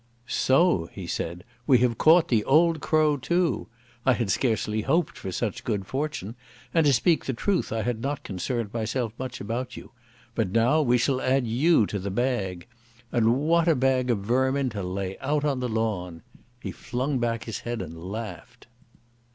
"So," he said. "We have caught the old crow too. I had scarcely hoped for such good fortune, and, to speak the truth, I had not concerned myself much about you. But now we shall add you to the bag. And what a bag of vermin to lay out on the lawn!" He flung back his head and laughed.